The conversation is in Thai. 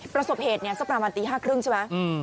ประสบเหตุเนี่ยสักประมาณตี๕๓๐ใช่ไหม